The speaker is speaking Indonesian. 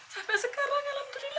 sampai sekarang alhamdulillah